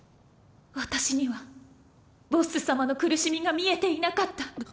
私にはボッス様の苦しみが見えていなかった。